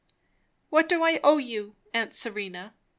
"What do I owe you, aunt Serena?"